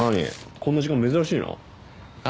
こんな時間珍しいなあ